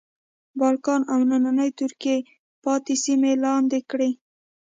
بالکان او نننۍ ترکیې پاتې سیمې لاندې کړې.